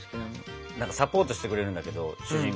サポートしてくれるんだけど主人公を。